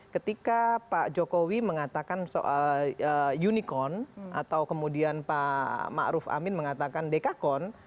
ketika pak jokowi mengatakan soal unicorn atau kemudian pak ma'ruf amin mengatakan dekakon